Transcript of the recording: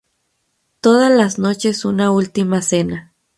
Todas las noches una última cena.